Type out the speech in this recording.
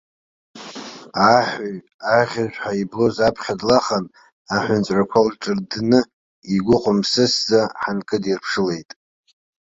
Аҳәаҩ аӷьыжәҳәа иблуз аԥхьа длахан аҳәынҵәрақәа лҿырддны, игәы хәымсысӡа ҳанкыдирԥшылеит.